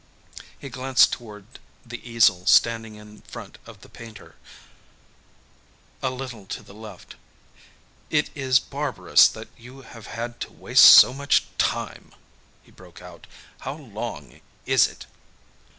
He glanced toward the easel standing in front of the painter, a little to the left. "It is barbarous that you have had to waste so much time!" he broke out. "How long is it?